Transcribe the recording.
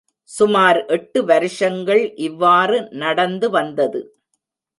சுமார் எட்டு வருஷங்கள் இவ்வாறு நடந்துவந்ததது.